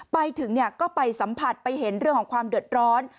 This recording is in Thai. ไปถึงก็ไปสัมผัสไปเห็นเรื่องของความเดือดร้อน